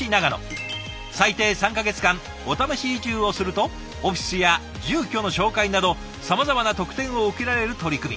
最低３か月間おためし移住をするとオフィスや住居の紹介などさまざまな特典を受けられる取り組み。